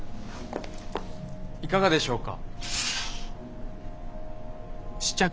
いかがでしょうか？